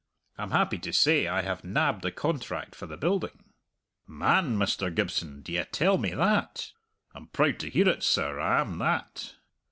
I'm happy to say I have nabbed the contract for the building." "Man, Mr. Gibson, d'ye tell me that! I'm proud to hear it, sir; I am that!"